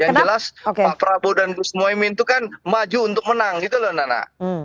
yang jelas pak prabowo dan gus muhaymin itu kan maju untuk menang gitu loh nana